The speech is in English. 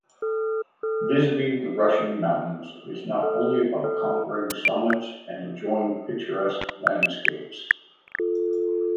Visiting the Russian mountains is not only about conquering summits and enjoying picturesque landscapes.